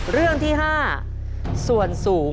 เรื่องที่๕ส่วนสูง